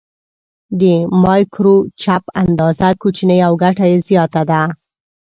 د مایکروچپ اندازه کوچنۍ او ګټه یې زیاته ده.